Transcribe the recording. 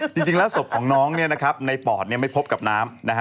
จริงแล้วศพของน้องในปอดไม่พบกับน้ำ